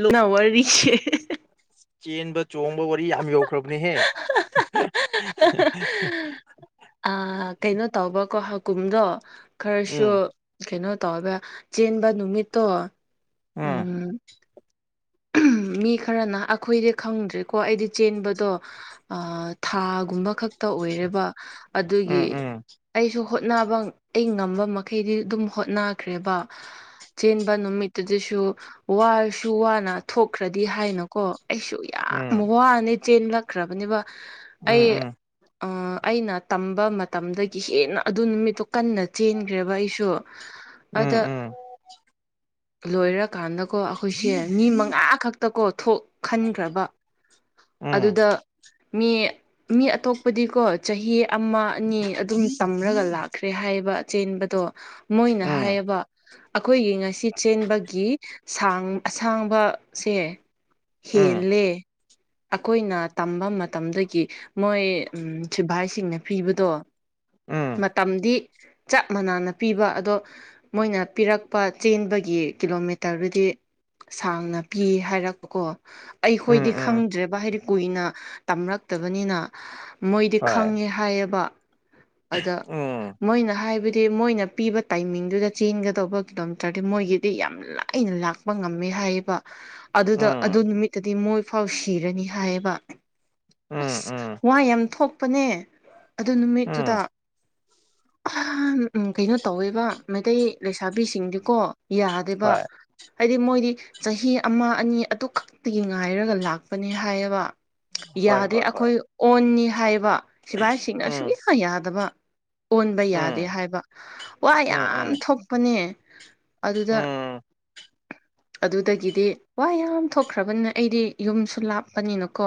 ꯂꯨꯉ ꯋꯥꯔꯤꯔꯤꯁꯦ꯫ ꯆꯦꯟꯕ ꯆꯣꯡꯕ ꯋꯥꯔꯤ ꯌꯥꯝ ꯌꯧꯈ꯭ꯔꯕꯅꯦꯍꯦ [unintelligible] ꯀꯩꯅꯣ ꯇꯧꯕꯀꯣ ꯍꯥꯀꯨꯝꯗꯣ ꯈꯔꯁꯨ ꯎꯝ ꯀꯩꯅꯣ ꯇꯧꯕ ꯆꯦꯟꯕ ꯅꯨꯃꯤꯠꯇꯣ ꯎꯝ ꯑꯍꯝ ꯃꯤ ꯈꯔꯅ ꯑꯩꯈꯣꯏꯗꯤ ꯈꯪꯗ꯭ꯔꯦꯀꯣ ꯑꯩꯗꯤ ꯆꯦꯟꯕꯗꯣ ꯊꯥꯒꯨꯝꯕ ꯈꯛꯇ ꯑꯣꯏꯔꯦꯕ ꯑꯗꯨꯒꯤ꯫ ꯎꯝ ꯎꯝ ꯑꯩꯁꯨ ꯍꯣꯠꯅꯕ ꯑꯩ ꯉꯝꯕ ꯃꯈꯩꯗꯤ ꯑꯗꯨꯝ ꯍꯣꯠꯅꯈ꯭ꯔꯦꯕ ꯆꯦꯟꯕ ꯅꯨꯃꯤꯠꯇꯨꯗꯁꯨ ꯋꯥꯁꯨ ꯋꯥꯅ ꯊꯣꯛꯈ꯭ꯔꯗꯤ ꯍꯥꯏꯅꯀꯣ ꯑꯩꯁꯨ ꯌꯥꯝ ꯎꯝ ꯋꯥꯅꯦ ꯆꯦꯜꯂꯛ ꯈ꯭ꯔꯕꯅꯦꯕ ꯑꯩ ꯎꯝ ꯑꯩꯅ ꯇꯝꯕ ꯃꯇꯝꯗꯒꯤ ꯍꯦꯟꯅ ꯑꯗꯨ ꯅꯨꯃꯤꯠꯇꯣ ꯀꯟꯅ ꯆꯦꯟꯈ꯭ꯔꯦꯕ ꯑꯩꯁꯨ [inaudible] ꯑꯗ ꯎꯝ ꯂꯣꯏꯔꯀꯥꯟꯗꯀꯣ ꯑꯩꯈꯣꯏꯁꯦ ꯃꯤ ꯃ ꯉꯥ ꯈꯛꯇꯀꯣ ꯊꯣꯛ ꯈꯟꯈ꯭ꯔꯕ ꯎꯝ ꯎꯝ ꯑꯗꯨꯗ ꯃꯤ ꯃꯤ ꯑꯇꯣꯞꯄꯗꯤꯀꯣ ꯆꯍꯤ ꯑꯃ ꯑꯅꯤ ꯑꯗꯨꯝ ꯇꯝꯂꯒ ꯂꯥꯛꯈ꯭ꯔꯦ ꯍꯥꯏꯕ ꯆꯦꯟꯕꯗꯣ ꯃꯣꯏꯅ ꯍꯥꯏꯌꯦꯕ ꯑꯩꯈꯣꯏꯒꯤ ꯉꯁꯤ ꯆꯦꯟꯕꯒꯤ ꯁꯥꯡ ꯑꯁꯥꯡꯕ ꯁꯦ ꯎꯝ ꯎꯝ ꯍꯦꯜꯂꯦ ꯑꯈꯣꯏꯅ ꯇꯝꯕ ꯃꯇꯝꯗꯒꯤ ꯃꯣꯏ ꯁꯤꯚꯥꯏꯁꯤꯡꯅ ꯄꯤꯕꯗꯣ ꯎꯝ ꯃꯇꯝꯗꯤ ꯆꯞ ꯃꯅꯥꯅ ꯄꯤꯕ ꯑꯗꯣ ꯃꯣꯏꯅ ꯄꯤꯔꯛꯄ ꯆꯦꯟꯕꯒꯤ ꯀꯤꯂꯣꯃꯤꯇꯔꯗꯨꯗꯤ ꯁꯥꯡꯅ ꯀꯤ ꯍꯥꯏꯔꯛꯄ ꯀꯣ ꯑꯩꯈꯣꯏꯗꯤ ꯎꯝ ꯎꯝ ꯈꯪꯗ꯭ꯔꯦꯕ ꯍꯥꯏꯗꯤ ꯀꯨꯏꯅ ꯇꯝꯔꯛꯇꯕꯅꯤꯅ ꯃꯣꯏꯗꯤ ꯍꯣꯏ ꯈꯪꯉꯦ ꯍꯥꯏꯌꯦꯕ ꯑꯗ ꯎꯝ ꯃꯣꯏꯅ ꯍꯥꯏꯕ ꯁꯤ ꯃꯣꯏꯅ ꯄꯤꯕ ꯇꯥꯏꯃꯤꯡꯗꯨꯗ ꯆꯦꯟꯒꯗꯧꯕ ꯉꯝꯇꯔꯗꯤ ꯃꯣꯏꯒꯤꯗꯤ ꯌꯥꯝ ꯂꯥꯏꯅ ꯂꯥꯛꯄ ꯉꯝꯃꯦ ꯍꯥꯏꯌꯦꯕ ꯑꯗꯨꯗ ꯑꯗꯨ ꯎꯝ ꯅꯨꯃꯤꯠꯇꯗꯤ ꯃꯣꯏꯐꯥꯎ ꯁꯤꯔꯅꯤ ꯍꯥꯏꯌꯦꯕ ꯎꯝ ꯑꯁ ꯎꯝ ꯋꯥ ꯌꯥꯝ ꯊꯣꯛꯄꯅꯦ ꯑꯗꯨ ꯅꯨꯃꯤꯠꯇꯨꯗ ꯎꯝ ꯀꯩꯅꯣ ꯇꯧꯋꯦꯕ ꯃꯩꯇꯩ ꯂꯩꯁꯥꯕꯤꯁꯤꯡꯗꯤꯀꯣ ꯌꯥꯗꯦꯕ ꯍꯣꯏ ꯍꯥꯏꯗꯤ ꯃꯣꯏꯗꯤ ꯆꯍꯤ ꯑꯃ ꯑꯅꯤ ꯑꯗꯨꯈꯛꯇꯒꯤ ꯉꯥꯏꯔꯒ ꯂꯥꯛꯄꯅꯦ ꯍꯥꯏꯌꯦꯕ ꯍꯣꯏ ꯌꯥꯗꯦ ꯍꯣꯏ ꯍꯣꯏ ꯑꯩꯈꯣꯏ ꯑꯣꯟꯅꯤ ꯍꯥꯏꯕ ꯁꯤꯕꯥꯥꯏꯁꯤꯡꯅ ꯎꯝ ꯁꯨꯛꯌꯥ ꯌꯥꯗꯕ ꯑꯣꯟꯕ ꯌꯥꯗꯦ ꯎꯝ ꯍꯥꯏꯕ ꯋꯥ ꯎꯝ ꯌꯥꯝ ꯎꯝ ꯊꯣꯛꯄꯅꯦ ꯑꯗꯨꯗ ꯑꯝ ꯑꯗꯨꯗꯒꯤꯗꯤ ꯋꯥ ꯌꯥꯝ ꯊꯣꯛꯈ꯭ꯔꯕꯅꯤꯅ ꯑꯩꯗꯤ ꯌꯨꯝꯁꯨ ꯂꯥꯞꯄꯅꯤꯅꯀꯣ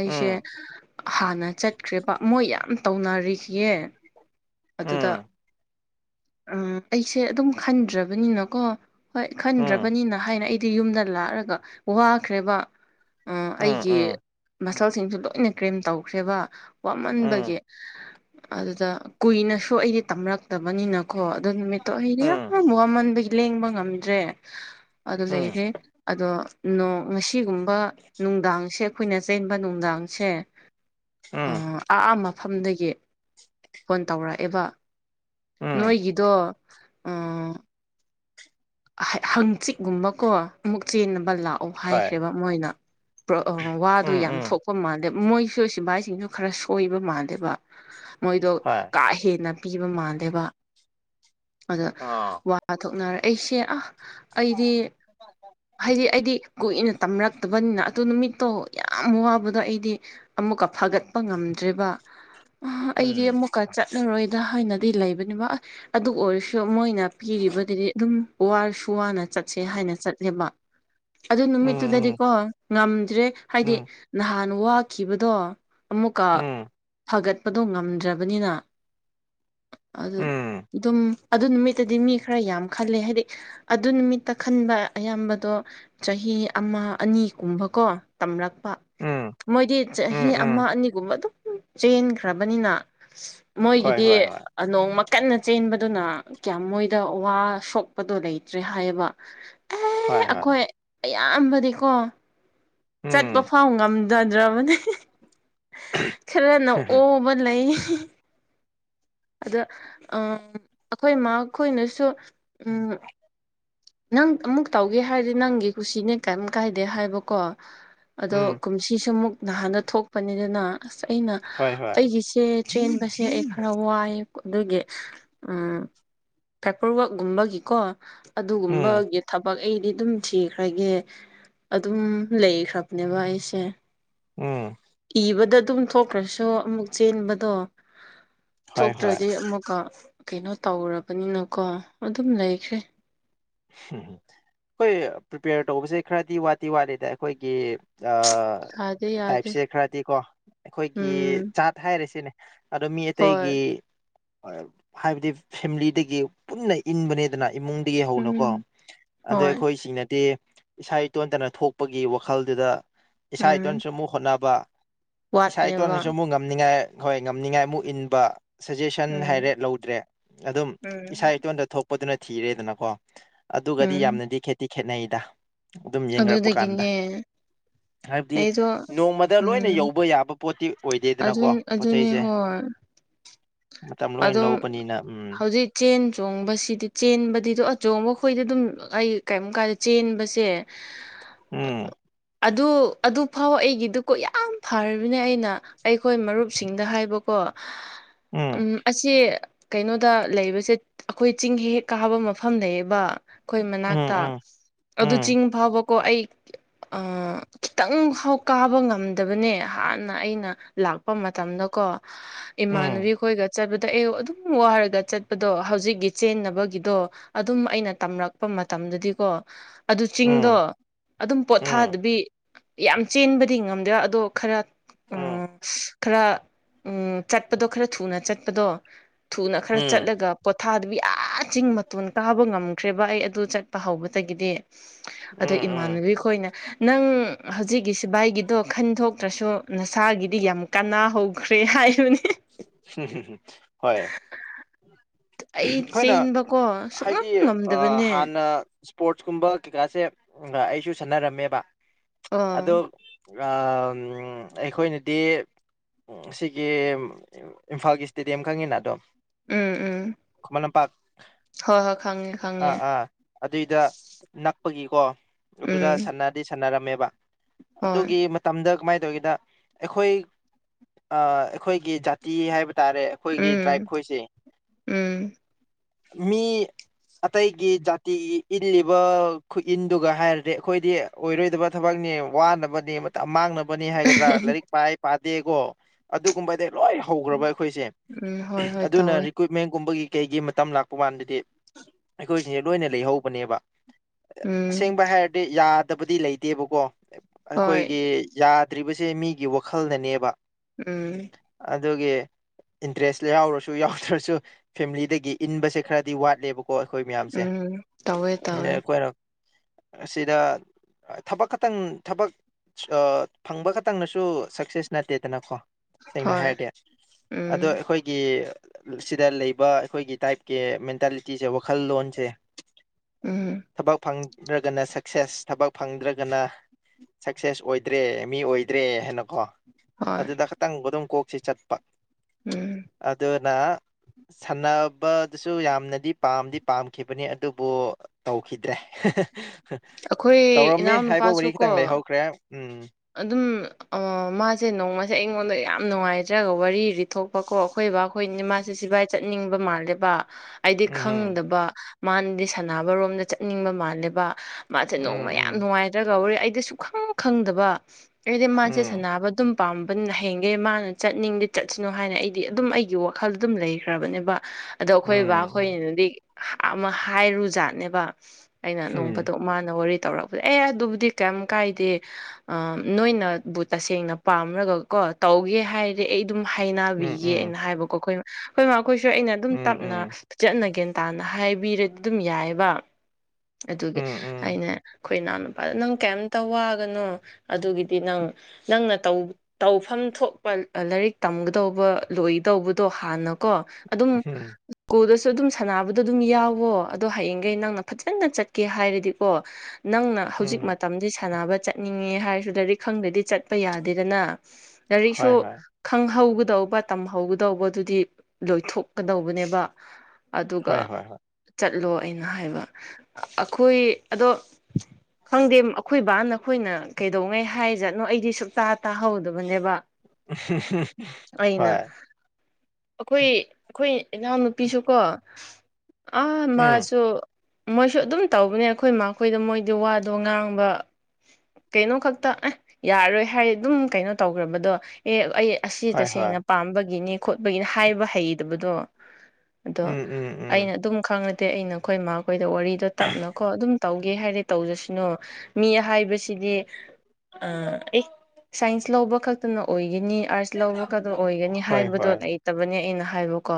ꯑꯩꯁꯦ ꯎꯝ ꯍꯥꯟꯅ ꯆꯠꯈ꯭ꯔꯦꯕ ꯃꯣꯏ ꯌꯥꯝ ꯇꯧꯅꯔꯤꯌꯦ ꯑꯗꯨꯗ ꯎꯝ ꯎꯝ ꯑꯩꯁꯦ ꯑꯗꯨꯝ ꯈꯟꯗ꯭ꯔꯕꯅꯤꯅꯀꯣ ꯍꯣꯏ ꯎꯝ ꯎꯝ ꯈꯟꯗ꯭ꯔꯕꯅꯤꯅ ꯍꯥꯏꯅ ꯑꯩꯗꯤ ꯌꯨꯝꯗ ꯂꯥꯛꯑꯒ ꯋꯥꯈ꯭ꯔꯦꯕ ꯎꯝ ꯎꯝ ꯑꯩꯒꯤ ꯃꯁꯜꯁꯤꯡꯁꯨ ꯂꯣꯏꯅ ꯀ꯭ꯔꯦꯝ ꯇꯧꯈ꯭ꯔꯦꯕ ꯋꯥꯃꯟꯕꯒꯤ ꯑꯗꯨꯗ ꯀꯨꯏꯅꯁꯨ ꯑꯩꯗꯤ ꯇꯝꯃꯔꯛꯇꯕꯅꯤꯅꯀꯣ ꯑꯗꯨ ꯅꯨꯃꯤꯠꯇꯣ ꯑꯩꯔ ꯎꯝ ꯑꯕꯨ ꯃꯃꯟꯗꯒꯤ ꯂꯦꯡꯕ ꯉꯝꯗ꯭ꯔꯦ ꯑꯗꯨ ꯎꯝ ꯂꯩꯔꯦ ꯑꯗꯣ ꯅꯣꯡ ꯉꯁꯤꯒꯨꯝꯕ ꯅꯨꯡꯗꯥꯡꯁꯦ ꯑꯩꯈꯣꯏꯅ ꯆꯦꯟꯕ ꯅꯨꯡꯗꯥꯡꯁꯦ ꯑ ꯎꯝ ꯑꯥ ꯃꯐꯝꯗꯒꯤ ꯐꯣꯟ ꯇꯧꯔꯛꯑꯦꯕ ꯎꯝ ꯅꯣꯏꯒꯤꯗꯣ ꯑꯝ ꯍꯪꯆꯤꯛꯀꯨꯝꯕꯀꯣ ꯑꯃꯨꯛ ꯆꯦꯟꯅꯕ ꯂꯥꯛꯑꯣ ꯍꯣꯏ ꯍꯥꯏꯈ꯭ꯔꯦꯕ ꯃꯣꯏꯅ ꯋꯥꯗꯣ ꯎꯝ ꯌꯥꯝ ꯎꯝ ꯊꯣꯛ ꯁꯣꯛꯄ ꯃꯜꯗꯦ ꯃꯣꯏꯁꯨ ꯁꯤꯕꯥꯥꯏꯁꯤꯡꯁꯨ ꯈꯔ ꯁꯣꯏꯕ ꯃꯜꯗꯦꯕ ꯃꯣꯏꯗꯣ ꯍꯣꯏ ꯀꯥ ꯍꯦꯟꯅ ꯄꯤꯕ ꯃꯥꯟꯗꯦꯕ ꯑꯗ ꯑꯥ ꯋꯥ ꯊꯣꯛꯅꯔꯛ ꯑꯩꯁꯦ ꯑ ꯑꯩꯗꯤ ꯍꯥꯏꯗꯤ ꯑꯩꯗꯤ ꯀꯨꯏꯅ ꯇꯝꯔꯛꯇꯕꯅꯤꯅ ꯑꯗꯨ ꯅꯨꯃꯤꯠꯇꯣ ꯌꯥꯝ ꯋꯥꯕꯗꯣ ꯑꯩꯗꯤ ꯑꯃꯨꯛꯀ ꯐꯒꯠꯄ ꯉꯝꯗ꯭ꯔꯤꯕ ꯑ ꯑꯩꯗꯤ ꯎꯝ ꯑꯃꯨꯛꯀ ꯆꯠꯂꯔꯣꯏꯗ ꯍꯥꯏꯅꯗꯤ ꯂꯩꯕꯅꯦꯕ ꯑꯗꯨ ꯑꯣꯏꯔꯁꯨ ꯃꯣꯏꯅ ꯄꯤꯔꯤꯕꯗꯨꯗꯤ ꯑꯗꯨꯝ ꯋꯥꯔꯁꯨ ꯋꯥꯅ ꯆꯠꯁꯦ ꯍꯥꯏꯅ ꯆꯠꯂꯦꯕ ꯑꯗꯨ ꯎꯝ ꯅꯨꯃꯤꯠꯇꯨꯗꯗꯤꯀꯣ ꯉꯝꯗ꯭ꯔꯦ ꯍꯥꯏꯗꯤ ꯎꯝ ꯅꯍꯥꯟ ꯋꯥꯈꯤꯕꯗꯣ ꯑꯃꯨꯛꯀ ꯎꯝ ꯐꯒꯠꯄꯗꯣ ꯉꯝꯗ꯭ꯔꯕꯅꯤꯅ ꯑꯗꯨ ꯎꯝ ꯎꯝ ꯑꯗꯨꯝ ꯑꯗꯨ ꯅꯨꯃꯤꯠꯇꯗꯤ ꯃꯤ ꯈꯔ ꯌꯥꯝ ꯈꯜꯂꯦ ꯍꯥꯏꯗꯤ ꯑꯗꯨ ꯅꯨꯃꯤꯠꯇ ꯈꯟꯕ ꯑꯌꯥꯝꯕꯗꯣ ꯆꯍꯤ ꯑꯃ ꯑꯅꯤꯒꯨꯝꯕꯀꯣ ꯇꯝꯔꯛ ꯎꯝ ꯃꯣꯏꯗꯤ ꯎꯝ ꯆꯍꯤ ꯎꯝ ꯑꯃ ꯑꯅꯤꯒꯨꯝꯕ ꯑꯗꯨꯝ ꯆꯦꯟꯈ꯭ꯔꯕꯅꯤꯅ ꯃꯣꯏꯒꯤꯗꯤ ꯅꯣꯡꯃ ꯀꯟꯅ ꯆꯦꯟꯕꯗꯨꯅ ꯀꯌꯥꯝ ꯃꯣꯏꯗ ꯋꯥ ꯁꯣꯛ ꯑꯗꯣ ꯂꯩꯇ꯭ꯔꯦ ꯍꯥꯏꯌꯦꯕ ꯑꯦ ꯑꯩꯈꯣꯏ ꯑꯌꯥꯝꯕꯗꯤꯀꯣ ꯆꯠꯄ ꯐꯥꯎ ꯉꯝꯖꯗ꯭ꯔꯕꯅꯦ ꯈꯔꯅ ꯑꯣꯕ ꯂꯩ ꯑꯗ ꯑꯩꯈꯣꯏ ꯃꯈꯣꯏꯅꯁꯨ ꯎꯝ ꯅꯪ ꯑꯃꯨꯛ ꯇꯧꯒꯦ ꯍꯥꯏꯔꯗꯤ ꯅꯪꯒꯤ ꯀꯨꯁꯤꯅꯦ ꯀꯩꯝ ꯀꯥꯏꯗꯦ ꯍꯥꯏꯕꯀꯣ ꯑꯗꯣ ꯀꯨꯝꯁꯤꯁꯨ ꯑꯃꯨꯛ ꯅꯍꯥꯟꯗ ꯊꯣꯛꯄꯅꯤꯗꯅ ꯑꯁ ꯑꯩꯅ ꯑꯩꯒꯤ ꯆꯦꯟꯕꯁꯦ ꯑꯩ ꯋꯥꯏ ꯑꯗꯨꯒꯤ ꯎ ꯄꯦꯄꯔꯋꯔꯛꯀꯨꯝꯕꯒꯤꯀꯣ ꯑꯗꯨꯒꯨꯝꯕꯒꯤ ꯊꯕꯛ ꯑꯩꯗꯤ ꯑꯗꯨꯝ ꯊꯤꯈ꯭ꯔꯒꯦ ꯑꯗꯨꯝ ꯂꯩꯈ꯭ꯔꯕꯅꯦꯕ ꯑꯩꯁꯦ ꯏꯕꯗ ꯑꯗꯨꯝ ꯊꯣꯛꯈ꯭ꯔꯁꯨ ꯑꯃꯨꯛ ꯆꯦꯟꯕꯗꯣ ꯊꯣꯛꯇ꯭ꯔꯗꯤ ꯑꯃꯨꯛꯀ ꯀꯩꯅꯣ ꯇꯧꯔꯕꯅꯤꯅꯀꯣ ꯑꯗꯨꯝ ꯂꯩꯈ꯭ꯔꯦ ꯎꯝ ꯑꯩꯈꯣꯏ ꯄ꯭ꯔꯤꯄꯦꯌꯔ ꯇꯧꯕꯁꯦ ꯈꯔꯗꯤ ꯋꯥꯠꯇꯤ ꯋꯥꯠꯂꯤꯦꯗ ꯑꯩꯈꯣꯏꯒꯤ ꯌꯥꯗꯦ ꯌꯥꯗꯦ ꯇꯥꯏꯞꯁꯦ ꯈꯔꯗꯤꯀꯣ ꯑꯩꯈꯣꯏꯒꯤ ꯎꯝ ꯖꯥꯠ ꯍꯥꯏꯔꯤꯁꯤꯅꯦ ꯑꯗꯣ ꯃꯤ ꯍꯣꯏ ꯑꯇꯩꯒꯤ ꯍꯥꯏꯕꯗꯤ ꯐꯦꯃꯤꯂꯤꯗꯒꯤ ꯄꯨꯟꯅ ꯏꯟꯕꯅꯦꯗꯅ ꯏꯃꯨꯡꯗꯒꯤ ꯎꯝ ꯍꯧꯅꯀꯣ ꯑꯗ ꯍꯣꯏ ꯑꯩꯈꯣꯏꯁꯤꯡꯅꯗꯤ ꯏꯁꯥ ꯏꯇꯣꯟꯇꯅ ꯊꯣꯛꯄꯒꯤ ꯋꯥꯈꯜꯗꯨꯗ ꯏꯁꯥ ꯎꯝ ꯏꯇꯣꯟꯁꯨ ꯑꯃꯨꯛ ꯍꯣꯠꯅꯕ ꯏꯁꯥ ꯋꯥꯠꯂꯦꯕ ꯏꯇꯣꯟꯅꯁꯨ ꯑꯃꯨꯛ ꯉꯝꯅꯤꯡꯉꯥꯏ ꯍꯣꯏ ꯉꯝꯅꯤꯡꯉꯥꯏ ꯑꯃꯨꯛ ꯏꯟꯕ ꯁꯖꯦꯁꯟ ꯎꯝ ꯍꯥꯏꯔꯦ ꯂꯧꯗ꯭ꯔꯦ ꯑꯗꯨꯝ ꯎꯝ ꯏꯁꯥ ꯏꯇꯣꯟꯇ ꯊꯣꯛꯄꯗꯨꯅ ꯊꯤꯔꯦꯗꯅꯀꯣ ꯑꯗꯨꯒꯗꯤ ꯎꯝ ꯌꯥꯝꯅꯗꯤ ꯈꯦꯠꯇꯤ ꯈꯦꯠꯅꯩꯗ ꯑꯗꯨꯝ ꯌꯦꯡꯅꯔꯛꯄꯀꯥꯟꯗ ꯑꯗꯨꯗꯒꯤꯅꯦ ꯍꯥꯏꯕꯗꯤ ꯑꯩꯗꯣ ꯅꯣꯡꯃꯗ ꯂꯣꯏꯅ ꯎꯝ ꯌꯧꯕ ꯌꯥꯕ ꯄꯣꯠꯇꯤ ꯑꯗꯨ ꯑꯣꯏꯗꯦꯗꯅꯀꯣ ꯑꯗꯨꯅꯦ ꯄꯣꯠꯆꯩꯁꯦ ꯍꯣꯏ ꯃꯇꯝ ꯂꯣꯏ ꯑꯗꯨꯝ ꯂꯧꯕꯅꯤꯅ ꯎꯝ ꯍꯧꯖꯤꯛ ꯆꯦꯟ ꯆꯣꯡꯕꯁꯤꯗꯤ ꯆꯦꯟꯕꯗꯤꯗꯣ ꯆꯣꯡꯕꯈꯣꯏꯗꯤ ꯗꯨꯝ ꯑꯩ ꯀꯩꯝ ꯀꯥꯟꯗ ꯆꯦꯟꯕꯁꯦ [inaudible] ꯑ ꯑꯗꯨ-ꯑꯗꯨꯐꯥꯎ ꯑꯩꯒꯤꯗꯨꯀꯣ ꯌꯥꯝ ꯐꯔꯕꯅꯦ ꯑꯩꯅ ꯑꯩꯈꯣꯏ ꯃꯔꯨꯞꯁꯤꯡꯗ ꯍꯥꯏꯕꯀꯣ ꯎꯝ ꯎꯝ ꯑꯁꯤ ꯀꯩꯅꯣꯗ ꯂꯩꯕꯁꯦ ꯑꯩꯈꯣꯏ ꯆꯤꯡ ꯍꯦꯛ ꯍꯦꯛ ꯀꯥꯕ ꯃꯐꯝ ꯂꯩꯌꯦꯕ ꯑꯩꯈꯣꯏ ꯎꯝ ꯃꯅꯥꯛꯇ ꯎꯝ ꯑꯗꯨ ꯎꯝ ꯆꯤꯡ ꯐꯥꯎꯕꯀꯣ ꯑꯩ ꯑꯝ ꯈꯤꯇꯪ ꯐꯥꯎ ꯀꯥꯕ ꯉꯝꯗꯕꯅꯦ ꯍꯥꯟꯅ ꯑꯩꯅ ꯂꯥꯛꯄ ꯃꯇꯝꯗꯀꯣ꯫ ꯍꯥ ꯏꯃꯥꯅꯕꯤ ꯎꯝ ꯑꯩꯈꯣꯏꯒ ꯆꯠꯄꯗ ꯑꯩ ꯑꯗꯨꯝ ꯋꯥꯔꯒ ꯆꯠꯄꯗꯣ ꯍꯧꯖꯤꯛꯀꯤ ꯆꯦꯟꯅꯕꯒꯤꯗꯣ ꯑꯗꯨꯝ ꯑꯩꯅ ꯇꯝꯂꯛꯄ ꯃꯇꯝꯗꯗꯤꯀꯣ ꯑꯗꯨ ꯆꯤꯡꯗꯣ ꯎꯝ ꯑꯗꯨꯝ ꯎꯝ ꯄꯣꯊꯥꯗꯕꯤ ꯌꯥꯝ ꯆꯦꯟꯕꯗꯤ ꯉꯝꯗꯦ ꯑꯗꯣ ꯈꯔ ꯎꯝ ꯈꯔ ꯎꯝ ꯆꯠꯄꯗꯣ ꯈꯔ ꯊꯨꯅ ꯆꯠꯄꯗꯣ ꯊꯨꯅ ꯈꯔ ꯎꯝ ꯆꯠꯂꯒ ꯄꯣꯊꯥꯗꯨꯕꯤ ꯑꯥ ꯆꯤꯡ ꯃꯇꯣꯟ ꯀꯥꯕ ꯉꯝ ꯈ꯭ꯔꯦꯕ ꯑꯩ ꯑꯗꯨ ꯆꯠꯄ ꯍꯧꯕꯗꯒꯤꯗꯤ ꯎꯝ ꯑꯗ ꯎꯝ ꯏꯃꯥꯟꯅꯕꯤ ꯈꯣꯏꯅ ꯅꯪ ꯍꯧꯖꯤꯛꯀꯤ ꯁꯤꯕꯥꯏꯒꯤꯗꯣ ꯈꯟꯗꯣꯛꯇ꯭ꯔꯁꯨ ꯅꯁꯥꯒꯤꯗꯤ ꯌꯥꯝ ꯀꯅ ꯍꯧ ꯈ꯭ꯔꯦ ꯍꯥꯏꯕꯅꯦ ꯍꯍꯍꯥ ꯍꯣꯏ ꯑꯩ ꯑꯩꯈꯣꯏꯅ ꯆꯦꯟꯕꯀꯣ ꯁꯨꯛꯉꯝ ꯍꯥꯏꯗꯤ ꯉꯝꯗꯕꯅꯦ ꯍꯥꯟꯅ ꯏꯁꯄꯣꯔꯠꯁ ꯀꯨꯝꯕ ꯀꯩꯀꯥꯁꯦ ꯑꯩꯁꯨ ꯁꯥꯟꯅꯔꯝꯃꯦꯕ ꯑꯗꯣ ꯑꯣ ꯑꯩꯈꯣꯏꯅꯗꯤ ꯎꯝ ꯁꯤꯒꯤ ꯏꯝꯐꯥꯜꯒꯤ ꯏꯁꯇꯦꯗꯤꯌꯝ ꯈꯪꯉꯤꯅ ꯑꯗꯣꯝ ꯎꯝ ꯎꯝ ꯈꯨꯃꯟ ꯂꯝꯄꯥꯛ ꯍꯣꯏ ꯍꯣꯏ ꯈꯪꯉꯦ ꯈꯪꯉꯦ ꯑꯥ ꯑꯥ ꯑꯗꯨꯏꯗ ꯅꯛꯄꯒꯤꯀꯣ ꯑꯗꯨꯗ ꯎꯝ ꯁꯥꯟꯅꯔꯗꯤ ꯁꯥꯟꯅꯔꯝꯃꯦꯕ ꯍꯣꯏ ꯑꯗꯨꯒꯤ ꯃꯇꯝꯗ ꯀꯃꯥꯏꯅ ꯇꯧꯒꯦꯗ ꯑꯩꯈꯣꯏ ꯑꯩꯈꯣꯏꯒꯤ ꯖꯥꯇꯤ ꯍꯥꯏꯕ ꯇꯥꯔꯦ ꯑꯩꯈꯣꯏꯒꯤ ꯇ꯭ꯔꯥꯏꯞ ꯎꯝ ꯈꯣꯏꯁꯦ ꯎꯝ ꯃꯤ ꯑꯇꯩꯒꯤ ꯖꯥꯇꯤꯒꯤ ꯏꯜꯂꯤꯕ ꯈꯨꯏꯟꯗꯨꯒ ꯍꯥꯏꯔꯗꯤ ꯑꯩꯈꯣꯏꯗꯤ ꯑꯣꯏꯔꯣꯏꯗꯕ ꯊꯕꯛꯅꯦ ꯋꯥꯅꯕꯅꯦ ꯑꯃꯥꯡꯅꯕ ꯕꯅꯤ ꯍꯥꯏꯒꯗ꯭ꯔꯥ ꯂꯥꯏꯔꯤꯛ ꯄꯥꯏ ꯄꯥꯗꯦꯀꯣ ꯑꯗꯨꯒꯨꯝꯕꯗꯤ ꯂꯣꯏ ꯍꯧꯈ꯭ꯔꯕ ꯑꯩꯈꯣꯏꯁꯦ ꯎꯝ ꯍꯣꯏ ꯍꯣꯏ ꯑꯗꯨꯅ ꯇꯧꯋꯦ ꯔꯤꯀ꯭ꯨꯏꯠꯃꯦꯟꯒꯨꯝꯕꯒꯤ ꯀꯩꯒꯤ ꯃꯇꯝ ꯂꯥꯛꯄ ꯀꯥꯟꯗꯗꯤ [unintelligible] ꯑꯩꯣꯏꯁꯤꯡꯁꯦ ꯂꯣꯏꯅ ꯂꯩꯍꯧꯕꯅꯦꯕ ꯎꯝ ꯑꯁꯦꯡꯕ ꯍꯥꯏꯔꯗꯤ ꯌꯥꯗꯕꯗꯤ ꯂꯩꯇꯦꯕꯀꯣ ꯍꯣꯏ ꯑꯩꯈꯣꯏꯒꯤ ꯌꯥꯗ꯭ꯔꯤꯕꯁꯦ ꯃꯤꯒꯤ ꯋꯥꯈꯜꯅꯅꯦꯕ ꯎꯝ ꯑꯗꯨꯒꯤ ꯏꯟꯇꯔꯦꯁ ꯌꯥꯎꯔꯁꯨ ꯌꯥꯎꯗ꯭ꯔꯁꯨ ꯐꯦꯃꯤꯂꯤꯗꯒꯤ ꯏꯟꯕꯁꯦ ꯈꯔꯗꯤ ꯋꯥꯠꯂꯦꯕ ꯀꯣ ꯑꯩꯈꯣꯏ ꯃꯌꯥꯝꯁꯦ ꯎꯝ ꯇꯧꯋꯦ ꯇꯧꯋꯦ ꯑꯩꯈꯣꯏꯅ ꯑꯁꯤꯗ ꯊꯕꯛ ꯈꯛꯇꯪ ꯊꯕꯛ ꯑ ꯐꯪꯕ ꯈꯛꯇꯪꯅꯁꯨ ꯁꯛꯁꯦꯁ ꯅꯠꯇꯦꯗꯅꯀꯣ ꯁꯦꯡꯅ ꯍꯣꯏ ꯍꯥꯏꯔꯗꯤ ꯎꯝ ꯑꯗꯣ ꯑꯩꯈꯣꯏꯒꯤ ꯁꯤꯗ ꯂꯩꯕ ꯑꯩꯈꯣꯏꯒꯤ ꯇꯥꯏꯞꯀꯤ ꯃꯦꯟꯇꯥꯂꯤꯇꯤꯁꯦ ꯋꯥꯈꯜꯂꯣꯟꯁꯦ ꯎꯝ ꯊꯕꯛ ꯐꯪꯗ꯭ꯔꯒꯅ ꯁꯛꯁꯦꯁ ꯊꯕꯛ ꯐꯪꯗ꯭ꯔꯒꯅ ꯁꯛꯁꯦꯁ ꯑꯣꯏꯗ꯭ꯔꯦ ꯃꯤ ꯑꯣꯏꯗ꯭ꯔꯦ ꯍꯥꯏꯅꯀꯣ ꯍꯣꯏ ꯑꯗꯨꯗ ꯈꯛꯇꯪ ꯑꯗꯨꯝ ꯀꯣꯛꯁꯤ ꯆꯠꯄ ꯎꯝ ꯑꯗꯨꯅ ꯁꯥꯟꯅꯕꯗꯨꯁꯨ ꯌꯥꯝꯅꯗꯤ ꯄꯥꯝꯗꯤ ꯄꯥꯝꯈꯤꯕꯅꯤ ꯑꯗꯨꯕꯨ ꯇꯧꯈꯤꯗ꯭ꯔꯦ ꯑꯩꯈꯣꯏ ꯇꯧꯔꯝꯃꯦ ꯍꯥꯏꯕ ꯏꯅꯥꯎꯅꯨꯄꯥꯁꯨ ꯋꯥꯔꯤ ꯀꯣ ꯈꯤꯇꯪ ꯂꯩꯍꯧꯈ꯭ꯔꯦ ꯎꯝ꯫ ꯑꯗꯨꯝ ꯑ ꯃꯥꯁꯦ ꯅꯣꯡꯃꯁꯦ ꯑꯩꯉꯣꯟꯗ ꯌꯥꯝ ꯅꯨꯡꯉꯥꯏꯇ꯭ꯔꯒ ꯋꯥꯔꯤ ꯔꯤꯊꯣꯛꯄꯀꯣ ꯑꯩꯈꯣꯏ ꯕꯥ ꯍꯣꯏꯅꯦ ꯃꯥꯁꯦ ꯁꯤꯕꯥꯥꯏ ꯆꯠꯅꯤꯡꯕ ꯃꯥꯜꯂꯦꯕ ꯍꯥꯏꯗꯤ ꯎꯝꯝ ꯈꯪꯗꯕ ꯃꯥꯅꯗꯤ ꯁꯥꯟꯅꯕꯔꯣꯝꯗ ꯆꯠꯅꯤꯡꯕ ꯃꯥꯜꯂꯦꯕ ꯃꯥꯁꯦ ꯎꯝ ꯅꯣꯡꯃ ꯌꯥꯝ ꯎꯝ ꯅꯨꯡꯉꯥꯏꯗ꯭ꯔꯒ ꯋꯔꯤ ꯑꯩꯗꯤ ꯁꯨꯛꯈꯪ ꯈꯪꯗꯕ ꯑꯩꯗꯤ ꯃꯥꯁꯦ ꯎꯝ ꯁꯥꯟꯅꯕ ꯑꯗꯨꯝ ꯄꯥꯝꯕꯅ ꯍꯦꯟꯒꯦ ꯃꯥꯅ ꯆꯠꯅꯤꯡꯗꯦꯢ ꯆꯠꯁꯅꯨ ꯍꯥꯏꯅ ꯑꯩꯗꯤ ꯑꯗꯨꯝ ꯑꯩꯒꯤ ꯋꯥꯈꯜ ꯑꯗꯨꯝ ꯂꯩꯈ꯭ꯔꯕꯅꯦꯕ꯫ ꯑꯗꯣ ꯑꯩꯈꯣꯏ ꯎꯝ ꯕꯥꯈꯣꯏꯅꯤꯅꯗꯤ ꯑꯃ ꯍꯥꯏꯔꯨ ꯖꯥꯠꯅꯦꯕ ꯑꯩꯅ ꯅꯣꯡ ꯎꯝ ꯐꯗꯣꯛ ꯃꯥꯅ ꯋꯥꯔꯤ ꯇꯧꯔꯛꯄꯗ ꯑꯦ ꯑꯗꯨꯕꯨꯗꯤ ꯀꯩꯝ ꯀꯥꯏꯗꯦ ꯅꯣꯏꯅꯕꯨ ꯇꯁꯦꯡꯅ ꯄꯥꯝꯔꯒ ꯀꯣ ꯇꯧꯒꯦ ꯍꯥꯏꯔꯦ ꯑꯩ ꯑꯗꯨꯝ ꯍꯩꯅꯕꯤꯒꯤ ꯎꯝ ꯑꯩꯅ ꯍꯥꯏꯕꯀꯣ [unintelligible] ꯑꯩꯈꯣꯏꯃꯥ ꯑꯩꯈꯣꯏꯁꯨ ꯑꯩꯅ ꯑꯗꯨꯝ ꯎꯝ ꯎꯝ ꯇꯞꯅ ꯎꯝ ꯆꯠꯅꯒꯦ ꯇꯥꯅ ꯍꯥꯏꯕꯤꯔꯗꯤ ꯑꯗꯨꯝ ꯌꯥꯏꯑꯕ ꯑꯗꯨꯒꯤ ꯎꯝ ꯑꯩꯅ ꯑꯩꯈꯣꯏ ꯏꯅꯥꯎꯅꯨꯄꯥꯗ ꯅꯪ ꯀꯩꯝꯇ ꯋꯥꯒꯅꯣ ꯑꯗꯨꯒꯤꯗꯤ ꯅꯪ ꯅꯪꯅ ꯇꯧ ꯇꯧꯐꯝ ꯊꯣꯛꯄ ꯂꯥꯏꯔꯤꯛ ꯇꯝꯒꯗꯧꯕ ꯂꯣꯏꯗꯧꯕꯗꯣ ꯍꯥꯟꯅ ꯀꯣ ꯑꯗꯨꯝ ꯎꯝ ꯎꯝ ꯀꯣꯗꯁꯨ ꯑꯗꯨꯝ ꯁꯥꯟꯅꯕꯗꯣ ꯑꯗꯨꯝ ꯌꯥꯎꯋꯣ ꯑꯗꯣ ꯍꯌꯦꯡꯒꯩ ꯅꯪꯅ ꯐꯖꯅ ꯆꯠꯀꯦ ꯍꯥꯏꯔꯗꯤꯀꯣ ꯅꯪꯅ ꯍꯧꯖꯤꯛ ꯎꯝ ꯃꯇꯝꯗꯤ ꯁꯥꯟꯅꯕ ꯆꯠꯅꯤꯡꯉꯦ ꯍꯥꯏꯔꯁꯨ ꯂꯥꯏꯔꯤꯛ ꯈꯪꯗ꯭ꯔꯗꯤ ꯆꯠꯄ ꯌꯥꯗꯦꯗꯅ ꯍꯣꯏ ꯌꯥꯔꯤꯁꯨ ꯍꯣꯏ ꯈꯪꯍꯧꯒꯗꯧꯕ ꯇꯝꯍꯧꯒꯗꯧꯕꯗꯨꯗꯤ ꯂꯣꯏꯊꯣꯛꯀꯗꯧꯕꯅꯦꯕ ꯑꯗꯨꯒ ꯍꯣꯏ ꯍꯣꯏ ꯍꯣꯏ ꯆꯠꯂꯣ ꯑꯩꯅ ꯍꯥꯏꯕ ꯑꯩꯈꯣꯏ ꯑꯗꯣ ꯈꯪꯗꯦ ꯑꯩꯈꯣꯏ ꯕꯥꯅ ꯑꯈꯣꯏꯅ ꯀꯩꯗꯧꯉꯩ ꯍꯥꯏꯖꯥꯠꯅꯣ ꯑꯩꯗꯤ ꯁꯨꯛꯇꯥ ꯇꯥꯍꯧꯗꯕꯅꯦꯕ ꯑꯩꯅ ꯍꯣꯏ ꯑꯩꯈꯣꯏ ꯑꯩꯈꯣꯏ ꯏꯅꯥꯎ ꯅꯨꯨꯄꯤꯁꯨꯀꯣ ꯑ ꯎꯝ ꯃꯥꯁꯨ ꯃꯣꯏꯁꯨ ꯑꯗꯨꯝ ꯇꯧꯕꯅꯦ ꯑꯩꯈꯣꯏ ꯃꯈꯣꯏꯗ ꯃꯣꯏꯗꯤ ꯋꯥꯗꯣ ꯉꯥꯡꯕ ꯀꯩꯅꯣ ꯈꯛꯇ ꯑꯦ ꯌꯥꯔꯣꯏ ꯍꯥꯏ ꯑꯗꯨꯝ ꯀꯩꯅꯣ ꯇꯧꯈ꯭ꯔꯕꯗꯣ ꯑꯦ ꯑꯩ ꯑꯁꯤ ꯍꯣꯏ ꯍꯣꯏ ꯇꯁꯦꯡꯅ ꯄꯥꯝꯕꯒꯤꯅꯤ ꯈꯣꯠꯄꯒꯤꯅꯤ ꯍꯥꯏꯕ ꯍꯩꯗꯕꯗꯣ ꯑꯗꯣ ꯎꯝ ꯎꯝ ꯎꯝ ꯑꯩꯅ ꯑꯗꯨꯝ ꯈꯪꯉꯗꯦ ꯑꯩꯅ ꯈꯣꯏꯃꯈꯣꯏꯗ ꯋꯥꯔꯤꯗꯣ ꯇꯞꯅꯀꯣ ꯑꯗꯨꯝ ꯇꯧꯒꯦ ꯍꯥꯏꯔꯦ ꯇꯧꯖꯁꯅꯨ ꯃꯤ ꯍꯥꯏꯕꯁꯤꯗꯤ ꯑꯦ ꯁꯥꯏꯟꯁ ꯂꯧꯕ ꯈꯛꯇꯅ ꯑꯣꯏꯒꯅꯤ ꯑꯥꯔꯠꯁ ꯂꯧꯕꯒꯗꯣ ꯑꯣꯏꯒꯅꯤ ꯍꯣꯏ ꯍꯥꯏꯕꯗꯣ ꯍꯣꯏ ꯂꯩꯇꯕꯅꯦ ꯑꯩꯅ ꯍꯥꯏꯕꯀꯣ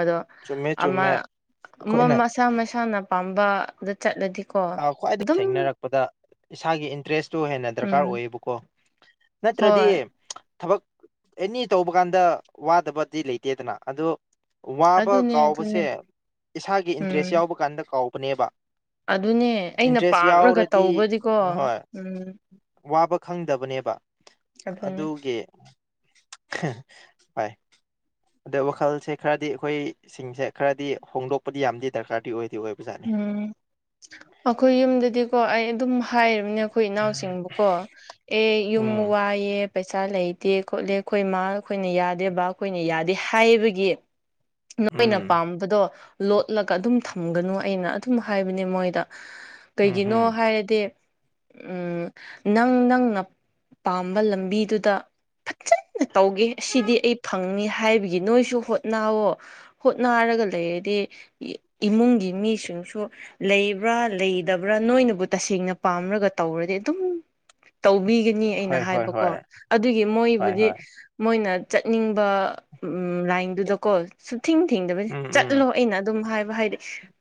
ꯑꯗꯣ ꯆꯨꯝꯃꯦ ꯑꯃ ꯆꯨꯝꯃꯦ ꯑꯃ ꯑꯩꯈꯣꯏꯅ ꯃꯁꯥ ꯃꯁꯥꯅ ꯄꯥꯝꯕꯗ ꯆꯠꯂꯗꯤꯀꯣ ꯑ ꯈ꯭ꯋꯥꯏꯗꯩ ꯑꯗꯨꯝ ꯊꯦꯡꯅꯔꯛꯄꯗ ꯏꯁꯥꯒꯤ ꯏꯟꯇꯔꯦꯁꯇꯨ ꯍꯦꯟꯅ ꯗꯔꯀꯥꯔ ꯎꯝ ꯑꯣꯏꯌꯦꯕꯀꯣ ꯅꯠꯇ꯭ꯔꯗꯤ ꯍꯣꯏ ꯊꯕꯛ ꯑꯦꯅꯤ ꯇꯧꯕ ꯀꯥꯟꯗ ꯋꯥꯗꯕꯗꯤ ꯂꯩꯇꯦꯗꯅ ꯑꯗꯣ ꯋꯥꯕ ꯑꯗꯨꯅꯦ ꯑꯗꯨꯅꯦ ꯀꯥꯎꯕꯁꯦ ꯏꯁꯥꯒꯤ ꯏꯟꯇ꯭ꯔꯦꯁ ꯎꯝ ꯌꯥꯎꯕ ꯀꯥꯟꯗ ꯀꯥꯎꯕꯅꯦꯕ ꯑꯗꯨꯅꯦ ꯑꯩꯅ ꯏꯟꯇꯔꯦꯁ ꯄꯥꯝꯂꯒ ꯌꯥꯎꯔꯗꯤ ꯇꯧꯕꯗꯤꯀꯣ ꯍꯣꯏ ꯎꯝ ꯋꯥꯕ ꯈꯪꯗꯕꯅꯦꯕ ꯑꯗꯨꯅꯦ ꯑꯗꯨꯒꯤ [unintelligible] ꯄꯥꯏ ꯑꯗ ꯋꯥꯈꯜꯁꯦ ꯈꯔꯗꯤ ꯑꯩꯈꯣꯏ ꯁꯤꯡꯁꯦ ꯈꯔꯗꯤ ꯍꯣꯡꯗꯣꯛꯄꯗꯤ ꯌꯥꯝꯗꯤ ꯗꯔꯀꯥꯔꯗꯤ ꯑꯣꯏꯗꯤ ꯑꯣꯏꯕꯖꯥꯠ ꯎꯝ ꯑꯩꯈꯣꯏ ꯌꯨꯝꯗꯗꯤꯀꯣ ꯑꯩ ꯑꯗꯨꯝ ꯍꯥꯏꯔꯤꯕꯅꯦ ꯑꯩꯈꯣꯏ ꯏꯅꯥꯎꯁꯤꯡꯕꯨꯀꯣ ꯑꯦ ꯌꯨꯝ ꯎꯝ ꯋꯥꯌꯦ ꯄꯩꯁꯥ ꯂꯩꯇꯦ ꯈꯣꯠꯂꯦ ꯑꯩꯈꯣꯏ ꯃꯥ ꯑꯩꯈꯣꯏꯅ ꯌꯥꯗꯦ ꯕꯥ ꯑꯩꯈꯣꯏꯅ ꯌꯥꯗꯦ ꯍꯥꯏꯕꯒꯤ ꯅꯣꯏꯅ ꯎꯝ ꯄꯥꯝꯕꯗꯣ ꯂꯣꯠꯂꯒ ꯑꯗꯨꯝ ꯊꯝꯒꯅꯨ ꯑꯩꯅ ꯑꯗꯨꯝ ꯍꯥꯏꯕꯅꯦ ꯃꯣꯏꯗ ꯀꯩꯒꯤꯅꯣ ꯎꯝꯍꯝ ꯍꯥꯏꯔꯗꯤ ꯎꯝ ꯅꯪ ꯅꯪꯅ ꯄꯥꯝꯕ ꯂꯝꯕꯤꯗꯨꯗ ꯐꯖꯅ ꯇꯧꯒꯦ ꯑꯁꯤꯗꯤ ꯑꯩ ꯐꯪꯅꯤ ꯍꯥꯏꯕꯒꯤ ꯅꯣꯏꯁꯨ ꯍꯣꯠꯅꯧꯋꯣ ꯍꯣꯠꯅꯔꯒ ꯂꯩꯔꯗꯤ ꯏꯃꯨꯡꯒꯤ ꯃꯤꯁꯤꯡꯁꯨ ꯂꯩꯕ꯭ꯔꯥ ꯂꯩꯇꯕ꯭ꯔꯥ ꯅꯣꯏꯅꯕꯨ ꯇꯁꯦꯡꯅ ꯄꯥꯝꯔꯒ ꯇꯧꯔꯗꯤ ꯑꯗꯨꯝ ꯇꯧꯕꯤꯒꯅꯤ ꯑꯩꯅ ꯍꯣꯏ ꯍꯣꯏ ꯍꯥꯏꯕꯀꯣ ꯍꯣꯏ ꯑꯗꯨꯒꯤ ꯍꯣꯏ ꯃꯣꯏꯕꯨꯗꯤ ꯍꯣꯏ ꯃꯣꯏꯅ ꯆꯠꯅꯤꯡꯕ ꯎ ꯂꯥꯏꯟꯗꯨꯗꯀꯣ ꯁꯨꯊꯤꯡ ꯊꯤꯡꯗꯕ ꯎꯝ ꯎꯝ ꯆꯠꯂꯣ ꯑꯩꯅ ꯑꯗꯨꯝ ꯍꯥꯏꯕ ꯍꯥꯏꯗꯤ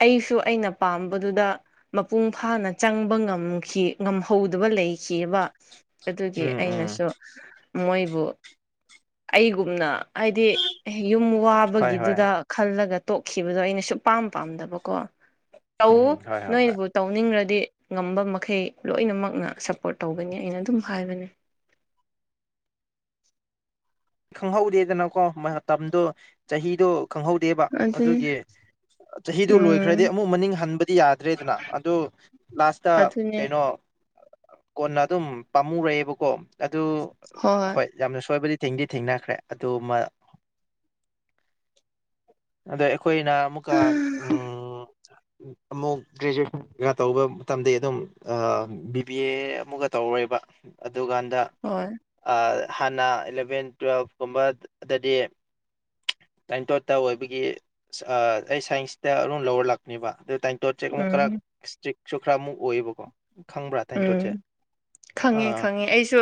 ꯑꯩꯁꯨ ꯑꯩꯅ ꯄꯥꯝꯕꯗꯨꯗ ꯃꯄꯨꯡ ꯐꯥꯅ ꯆꯪꯕ ꯉꯝꯈꯤ ꯉꯝꯍꯧꯗꯕ ꯂꯩꯈꯤꯕ ꯑꯗꯨꯒꯤ ꯎꯝ ꯎꯝ ꯑꯩꯅꯁꯨ ꯃꯣꯏꯕꯨ ꯑꯩꯒꯨꯝꯅ ꯍꯥꯏꯗꯤ ꯌꯨꯝ ꯁꯨꯝ ꯍꯣꯏ ꯍꯣꯏ ꯋꯥꯕꯒꯤꯗꯨꯗ ꯈꯜꯂꯒ ꯇꯣꯛꯈꯤꯕꯗꯣ ꯑꯩꯅ ꯁꯨꯡ ꯄꯥꯝ ꯄꯥꯝꯗꯕꯀꯣ ꯇꯥꯎ ꯎꯝ ꯍꯣꯏ ꯍꯣꯏ ꯍꯣꯏ ꯅꯣꯏꯕꯨ ꯇꯧꯅꯤꯡꯂꯗꯤ ꯉꯝꯕ ꯃꯈꯩ ꯂꯣꯏꯅꯃꯛꯅ ꯁꯄꯣꯔꯠ ꯇꯧꯒꯅꯤ ꯑꯩꯅ ꯑꯗꯨꯝ ꯍꯥꯏꯕꯅꯦ ꯈꯪꯍꯧꯗꯦꯗꯅꯀꯣ ꯃꯇꯝꯗꯣ ꯆꯍꯤꯗꯣ ꯈꯪꯍꯧꯗꯦꯕ ꯑꯗꯨꯅꯤ ꯑꯗꯨꯒꯤ ꯆꯍꯤꯗꯨ ꯂꯣꯏꯈ꯭ꯔꯗꯤ ꯎꯝ ꯑꯃꯨꯛ ꯃꯅꯤꯡ ꯍꯟꯕꯗꯤ ꯌꯥꯗ꯭ꯔꯦꯗꯅ ꯑꯗꯣ ꯂꯥꯁꯇ ꯑꯗꯨꯅꯦ ꯀꯩꯅꯣ ꯀꯣꯟꯅ ꯑꯗꯨꯝ ꯄꯥꯝꯃꯨꯔꯛꯦꯕꯀꯣ ꯑꯗꯨ ꯍꯣꯏ ꯌꯥꯝꯅ ꯁꯣꯏꯕꯗꯤ ꯊꯦꯡꯗꯤ ꯊꯦꯡꯅꯈ꯭ꯔꯦ ꯑꯗꯨ ꯃ ꯑꯗ ꯑꯩꯈꯣꯏꯅ ꯑꯃꯨꯛꯀ ꯎꯝ ꯑꯃꯨꯛ ꯒ꯭ꯔꯦꯖꯨꯑꯦꯁꯟꯒ ꯇꯧꯕ ꯃꯇꯝꯗ ꯑꯗꯨꯝ ꯕꯤ ꯕꯤ ꯑꯦ ꯑꯃꯒ ꯇꯧꯔꯣꯏꯕ ꯑꯗꯨꯀꯥꯟꯗ ꯍꯣꯏ ꯍꯥꯟꯅ ꯏꯂꯚꯦꯟ ꯇꯨꯋꯦꯜꯐꯀꯨꯝꯕ ꯗꯗꯤ ꯇꯥꯏ ꯇꯣ ꯑꯠꯇ ꯑꯣꯏ [inaudible] ꯒꯤ ꯑꯩ ꯁꯥꯏꯟꯁꯇ ꯑꯗꯨꯝ ꯂꯧꯔ ꯂꯥꯛꯄꯅꯦꯕ ꯑꯗꯨ ꯇꯥꯏꯇꯣꯠ ꯆꯦꯛ ꯑꯃꯨꯛ ꯈꯔ ꯎꯝ ꯏꯁꯇ꯭ꯔꯤꯛꯁꯨ ꯈꯔꯃꯨꯛ ꯑꯣꯏꯌꯦꯕꯀꯣ ꯈꯪꯕ꯭ꯔꯥ ꯇꯥꯏꯅꯇꯣꯠꯁꯦ ꯎꯝ ꯈꯪꯉꯦ ꯑꯥ ꯈꯪꯉꯦ ꯑꯩꯁꯨ